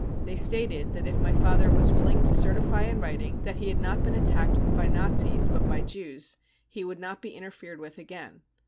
They stated that if my father was willing to certify in writing that he had not been attacked by Nazis, but by Jews, he would not be interfered with again.